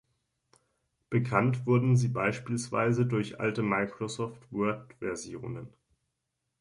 Bekannt wurden sie beispielsweise durch alte Microsoft-Word-Versionen.